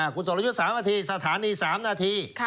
คุณสมรยศ๓นาทีสถานี๓นาที